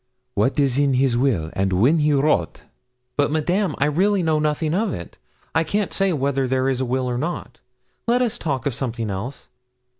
What is in his will, and when he wrote?' 'But, Madame, I really know nothing of it. I can't say whether there is a will or not. Let us talk of something else.'